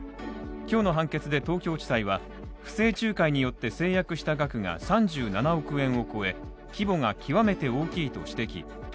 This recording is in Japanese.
今日の判決で東京地裁は不正仲介によって成約した額が３７億円を超え、規模が極めて大きいと指摘。